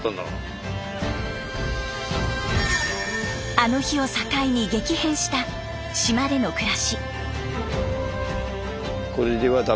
あの日を境に激変した島での暮らし。